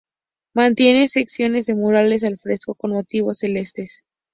Mantiene secciones de murales al fresco con motivos celestes.